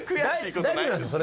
大丈夫なんですよ